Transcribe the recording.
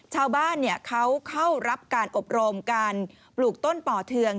ชาวบ้านเขาเข้ารับการอบรมการปลูกต้นป่อเทือง